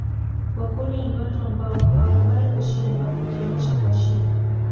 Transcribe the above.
Wakurya ni watu ambao hawakubali kushindwa ukionesha kuwashinda